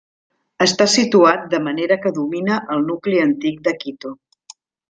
Està situat de manera que domina el nucli antic de Quito.